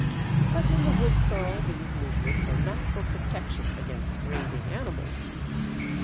But in the Woodsorrel these movements are not for protection against grazing animals.